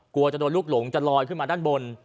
กลัวจะโดนลูกหลงจะลอยขึ้นมาด้านบน